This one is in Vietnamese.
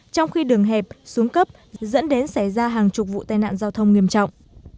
trong khi đường hẹp xuống cấp dẫn đến xảy ra hàng chục vụ tai nạn giao thông nghiêm trọng